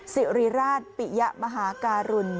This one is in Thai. สิริราชปิยะมหาการุณ